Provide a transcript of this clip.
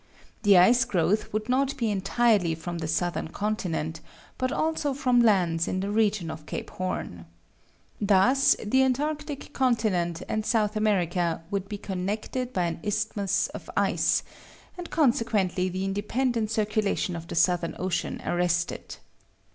The ice growth would not be entirely from the southern continent, but also from lands in the region of Cape Horn. Thus the antarctic continent and South America would be connected by an isthmus of ice, and consequently the independent circulation of the Southern Ocean arrested.